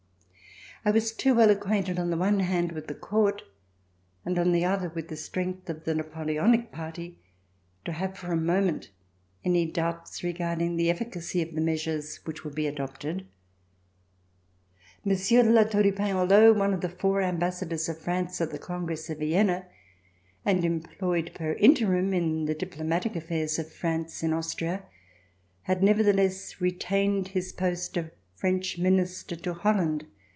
I was too well acquainted, on the one hand, with the Court, and on the other, with the strength of the THE FIRST RKSTORATION Napoleonic Party, t(j have for a moment any d(jLibts regarding the efficacy of the measures which uould be adopted. Monsieur de La Tour du Pin, although one of the four Ambassadors of France at the Congress of Vienna and employed per interim in the dij)lomatic affairs of France, in Austria, had nevertheless retained his post of French Minister to Holland.